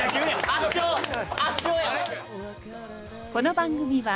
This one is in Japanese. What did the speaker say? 圧勝や。